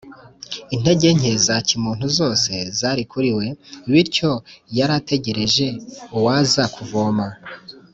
. Intege nke za kimuntu zose zari kuri we, bityo yari ategereje uwaza kuvoma.